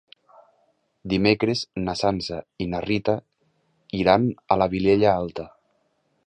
Dimecres na Sança i na Rita iran a la Vilella Alta.